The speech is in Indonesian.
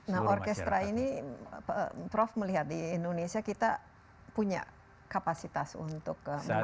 nah orkestra ini prof melihat di indonesia kita punya kapasitas untuk mencari